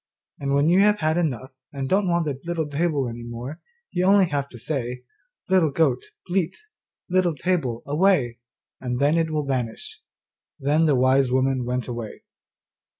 And when you have had enough and don't want the little table any more, you have only to say, "Little goat, bleat, Little table, away," and then it will vanish.' Then the wise woman went away.